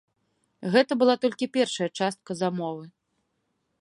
Гэта была толькі першая частка замовы.